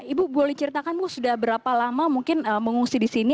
ibu boleh ceritakan ibu sudah berapa lama mungkin mengungsi di sini